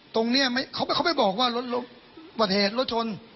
ตรงเนี้ยไม่เขาไม่เขาไม่บอกว่ารถรถเหตุรถชน